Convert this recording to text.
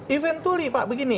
eventually pak begini